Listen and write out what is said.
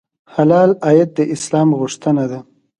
حلال عاید د اسلام غوښتنه ده.